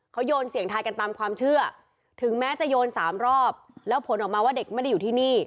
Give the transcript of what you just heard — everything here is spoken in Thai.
เขาโยนเสียงทายกันตามความเชื่อถึงแม้จะโยนสามรอบแล้วผลออกมาว่าเด็กไม่ได้อยู่ที่นี่